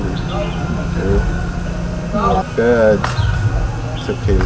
thực hiện cái vụ đó vụ vấn đề đó sau khi phát lên đó là